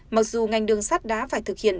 mặc dù ngành đường sắt đã phải thực hiện